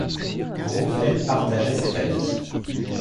Grouvelle partageait cet avis.